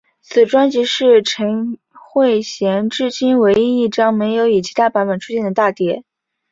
此专辑是陈慧娴至今唯一一张没有以其他版本出现的大碟。